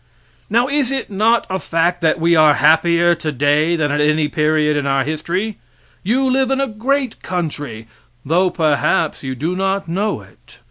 Now, is it not a fact that we are happier today than at any period in our history? You live in a great country, though perhaps you do not know it.